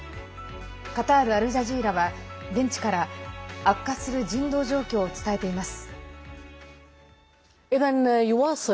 カタール・アルジャジーラは現地から悪化する人道状況を伝えています。